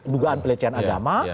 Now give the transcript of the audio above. lugaan pelecehan agama